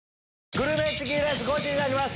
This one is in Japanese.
グルメチキンレースゴチになります！